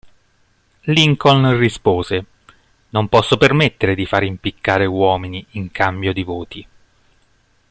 Lincoln rispose: "Non posso permettere di fare impiccare uomini in cambio di voti".